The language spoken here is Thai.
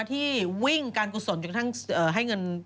ที่วิ่งการกุศลจนกระทั่งให้เงิน